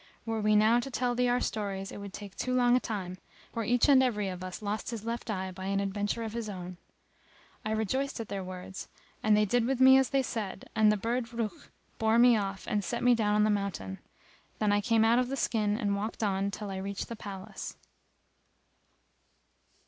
Were we now to tell thee our stories it would take too long a time; for each and every of us lost his left eye by an adventure of his own." I rejoiced at their words and they did with me as they said; and the bird Rukh bore me off end set me down on the mountain. Then I came out of the skin and walked on till I reached the palace.